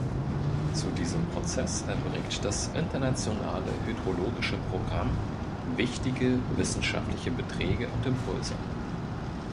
Zu diesem Prozess erbringt das Internationale Hydrologische Programm wichtige wissenschaftliche Beträge und Impulse.